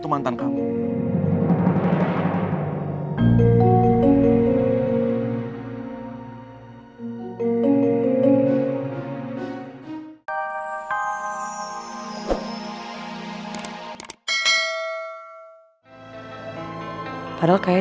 katanya mau makan